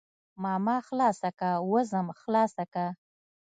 ماما خلاصه که وځم خلاصه که.